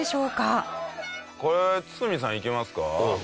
これ堤さんいきますか？